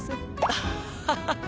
アハハハ！